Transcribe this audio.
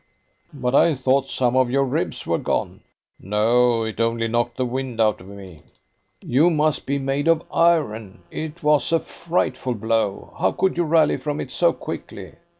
"But I thought some of your ribs were gone." "No, it only knocked the wind out of me." "You must be made of iron. It was a frightful blow. How could you rally from it so quickly?"